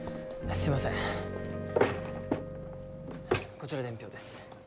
こちら伝票です。